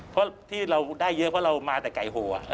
เพราะที่เราได้เยอะเพราะเรามาแต่ไก่โห